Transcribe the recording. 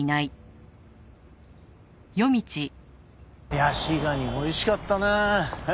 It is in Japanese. ヤシガニおいしかったなあ。